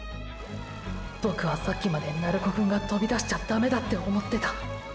ボクはさっきまで鳴子くんが飛び出しちゃダメだって思ってた。